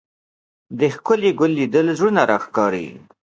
د ښکلي ګل لیدل زړونه راښکاري